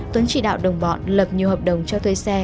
tuấn chỉ đạo đồng bọn lập nhiều hợp đồng cho thuê xe